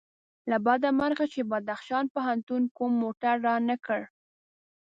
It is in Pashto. له بده مرغه چې بدخشان پوهنتون کوم موټر رانه کړ.